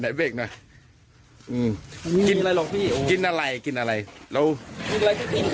ไหนเบ้งหน่อยอืมมีอะไรหรอกพี่กินอะไรกินอะไรแล้วกินอะไรก็กินข้าว